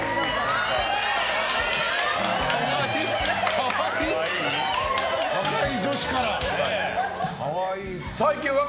可愛い！